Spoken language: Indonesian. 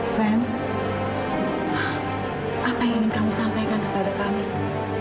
van apa yang ingin kamu sampaikan kepada kami